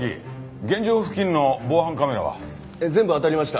現場付近の防犯カメラは？全部あたりました。